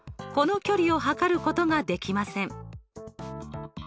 この距離を測ることができません。